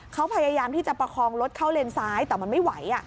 เขาพยายามที่จะประคองรถเข้าเลนซ้ายแต่มันไม่ไหว